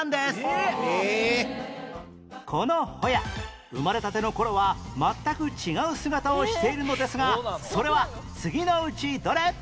このホヤ生まれたての頃は全く違う姿をしているのですがそれは次のうちどれ？